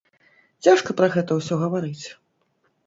Цяжка пра гэта ўсё гаварыць.